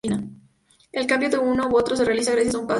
El cambio de uno a otro se realiza gracias a un paso a nivel.